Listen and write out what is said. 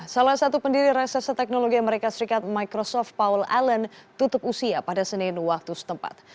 salah satu pendiri reksasa teknologi amerika serikat microsoft paul allen tutup usia pada senin waktu setempat